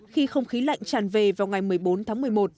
khi không khí lạnh tràn về vào ngày một mươi bốn tháng một mươi một